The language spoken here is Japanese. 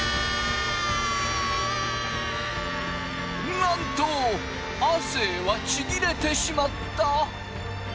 なんと亜生はちぎれてしまった。